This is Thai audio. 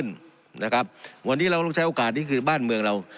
วันนี้เราต้องใช้โอกาสนี้คือบ้านเมืองเรา